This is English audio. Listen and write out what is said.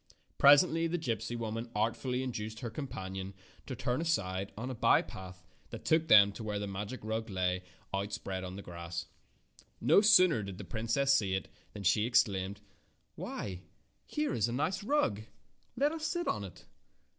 Presently the gypsy woman artfully induced her companion to turn aside on a bypath Fairy Tale Foxes 97 that took them to where the magic rug lay outspread on the grass. No sooner did the princess see it than she exclaimed: ''Why, here is a nice rug! Let us sit on it."